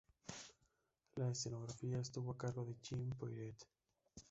La escenografía estuvo a cargo de Jean Poiret.